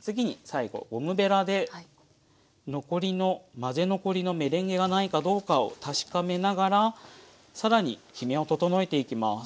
次に最後ゴムべらで残りの混ぜ残りのメレンゲがないかどうかを確かめながら更にきめを整えていきます。